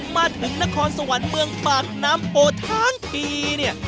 มาถึงนครสวรรค์เมืองปากน้ำโพทั้งทีเนี่ย